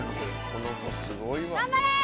この子すごいわ。